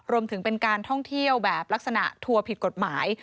รวมถึงเป็นการท่องเที่ยวแบบลักษณะทัวร์ผิดกฎหมาย